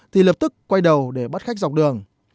thì lập tức quay đầu để bắt khách dọc đường